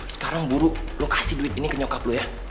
sekarang buru lu kasih duit ini ke nyokap lu ya